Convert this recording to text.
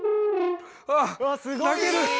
わっ泣ける！